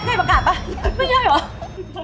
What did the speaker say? มันใช่ปากกาดปะมันไม่ใช่เหรอ